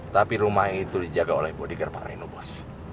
tapi rumah itu dijaga oleh bodegar pak reno bos